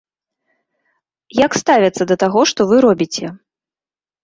Як ставяцца да таго, што вы робіце?